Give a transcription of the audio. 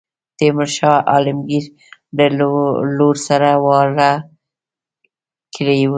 تیمور شاه عالمګیر له لور سره واړه کړی وو.